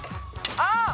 あっ！